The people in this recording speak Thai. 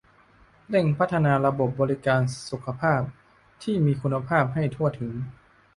เร่งพัฒนาระบบบริการสุขภาพที่มีคุณภาพให้ทั่วถึง